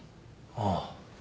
ああ。